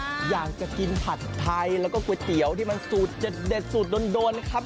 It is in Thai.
อยากจะกินผัดไทยแล้วก็ก๋วยเตี๋ยวที่มันสูตรเด็ดสูตรโดนนะครับ